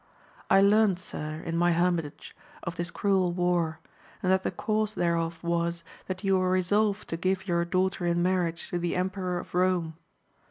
I learnt, sir, in my hermitage, of this cruel war, and that the cause thereof was, that you were resolved to give your daughter in marriage to the Emperor of Rome.